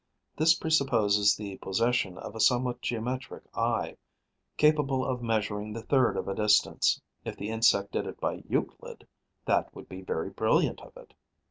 This presupposes the possession of a somewhat geometric eye, capable of measuring the third of a distance. If the insect did it by Euclid, that would be very brilliant of it.